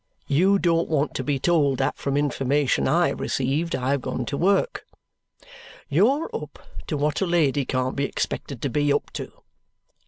YOU don't want to be told that from information I have received I have gone to work. You're up to what a lady can't be expected to be up to.